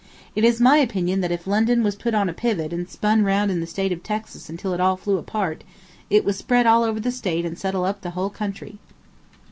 It is my opinion that if London was put on a pivot and spun round in the State of Texas until it all flew apart, it would spread all over the State and settle up the whole country.